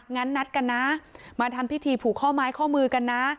งั้นนัดกันนะมาทำพิธีผูกข้อไม้ข้อมือกันนะ